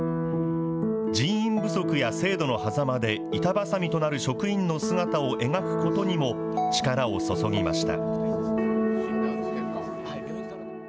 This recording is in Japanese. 人員不足や制度のはざまで板挟みとなる職員の姿を描くことにも力を注ぎました。